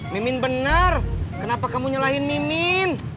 mimin benar kenapa kamu nyalahin mimin